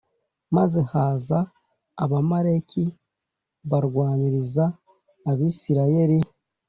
maze haza abamaleki barwaniriza abisirayeli